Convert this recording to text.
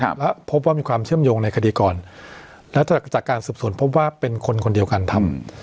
แล้วพบว่ามีความเชื่อมโยงในคดีก่อนแล้วจากจากการสืบสวนพบว่าเป็นคนคนเดียวกันทำ